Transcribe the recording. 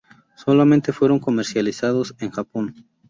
Solamente fueron comercializados en Japón.